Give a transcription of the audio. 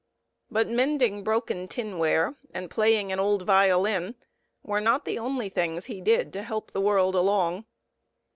But mending broken tinware and playing an old violin were not the only things he did to help the world along.